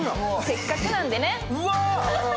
せっかくなんでね！